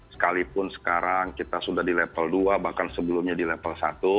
sekalipun sekarang kita sudah di level dua bahkan sebelumnya di level satu